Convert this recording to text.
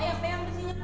pegang di sini